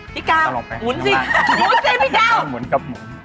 พี่กาวหมุนสิหมุนสิพี่กาวหมุนกับหมุน